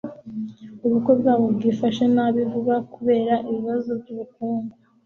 Ubukwe bwabo bwifashe nabi vuba kubera ibibazo byubukungu.